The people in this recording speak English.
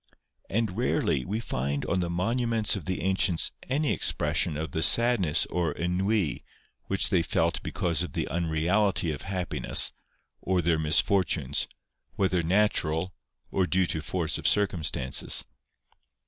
And rarely we find on the monuments of the ancients any expression of the sadness or ennui which they felt because of the unreality of happiness, or their misfortunes, whether natural, or due to force of circumstances.